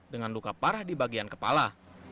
dengan luka parah di bagian kepala